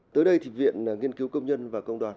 tới đây thì viện nghiên cứu công nhân và công đoàn